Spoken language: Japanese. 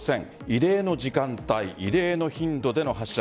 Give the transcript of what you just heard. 異例の時間帯異例の頻度での発射